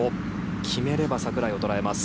決めれば櫻井を捉えます。